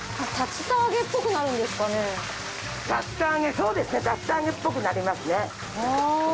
そうですね竜田揚げっぽくなりますね。